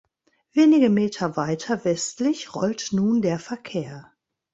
Wenige Meter weiter westlich rollt nun der Verkehr.